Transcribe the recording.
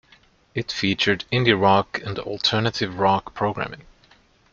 It featured indie rock and alternative rock programming.